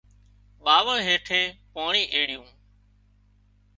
ٻاوۯ هيٺي پاڻي ايڙيون